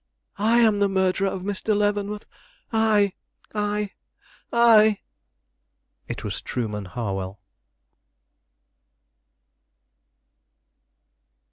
I am the murderer of Mr. Leavenworth. I! I! I!" It was Trueman Harwell.